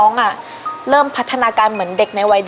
ในขณะที่เราบันทึกเทปนะฮะ